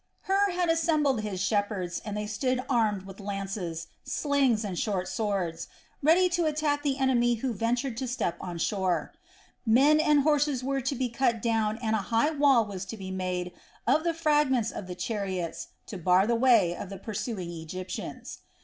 Hur had assembled his shepherds and they stood armed with lances, slings, and short swords, ready to attack the enemy who ventured to step on shore. Horses and men were to be cut down and a high wall was to be made of the fragments of the chariots to bar the way of the pursuing Egyptians.